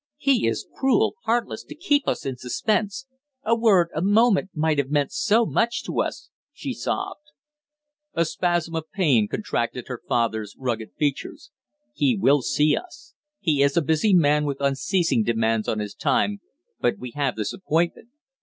"He is cruel, heartless, to keep us in suspense. A word, a moment might have meant so much to us " she sobbed. A spasm of pain contracted her father's rugged features. "He will see us; he is a busy man with unceasing demands on his time, but we have this appointment.